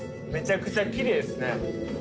めちゃくちゃきれいですね。